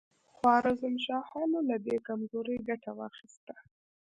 خوارزم شاهانو له دې کمزورۍ ګټه واخیسته.